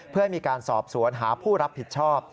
เพื่อให้มีการสอบสวนหาผู้รับผิดชอบ